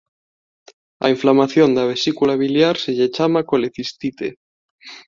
Á inflamación da vesícula biliar se lle chama colecistite.